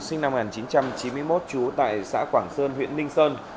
sinh năm một nghìn chín trăm chín mươi một trú tại xã quảng sơn huyện ninh sơn